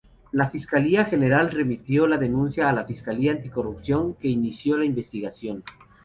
La Fiscalía General remitió la denuncia a la Fiscalía Anticorrupción, que inició la investigación.